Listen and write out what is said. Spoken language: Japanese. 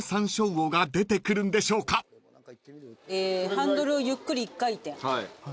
ハンドルをゆっくり１回転。